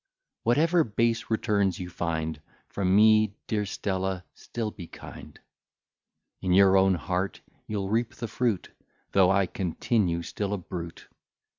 Whatever base returns you find From me, dear Stella, still be kind. In your own heart you'll reap the fruit, Though I continue still a brute.